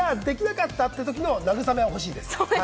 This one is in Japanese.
できなかったという時の慰めは欲しいです。